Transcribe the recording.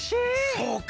そうか。